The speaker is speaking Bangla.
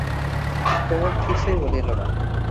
কুমুদ কিছুই বলিল না।